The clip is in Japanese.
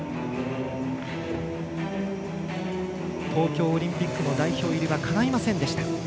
東京オリンピックの代表入りはかないませんでした。